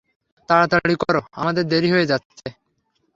তাড়াতাড়ি কর, আমাদের দেরি হয়ে যাচ্ছে।